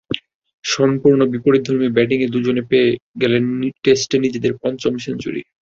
সম্পূর্ণ বিপরীত ধর্মী ব্যাটিংয়েই দুজনে পেয়ে গেলেন টেস্টে নিজেদের পঞ্চম সেঞ্চুরি।